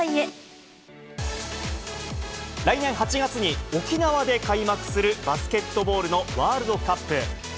来年８月に、沖縄で開幕する、バスケットボールのワールドカップ。